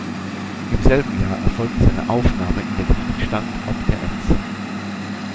Im selben Jahr erfolgte seine Aufnahme in den Herrenstand ob der Enns.